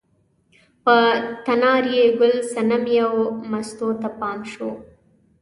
په تنار یې ګل صنمې او مستو ته پام شو.